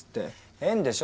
変でしょ？